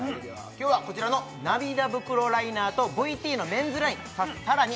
今日はこちらの涙袋ライナーとＶＴのメンズラインさらに